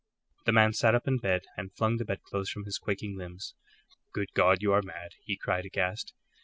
The man sat up in bed and flung the bedclothes from his quaking limbs. "Good God, you are mad!" he cried, aghast.